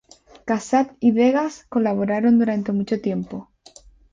Cassatt y Degas colaboraron durante mucho tiempo.